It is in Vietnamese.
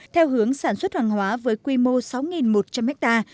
theo hướng sản xuất hàng hóa với quy mô sáu một trăm linh ha